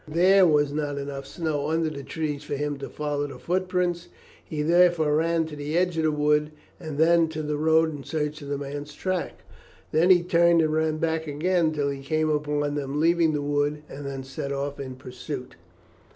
There was not enough snow under the trees for him to follow the footprints, he therefore ran to the edge of the wood, and then to the road, in search of the man's track. Then he turned and ran back again till he came upon them leaving the wood, and then set off in pursuit."